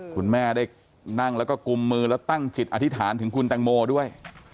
คุณแม่ได้นั่งแล้วก็กุมมือแล้วตั้งจิตอธิษฐานถึงคุณแตงโมด้วย